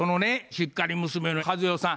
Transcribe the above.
しっかり娘の和代さん